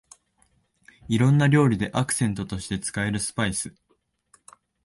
いろんな料理でアクセントとして使えるスパイス